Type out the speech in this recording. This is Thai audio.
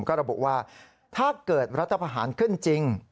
ก็บอกว่าถ้าเกิดรัฐภาษณ์ขึ้นจริง